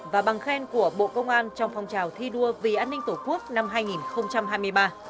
và bằng khen của bộ công an trong phong trào thi đua vì an ninh tổ quốc năm hai nghìn hai mươi ba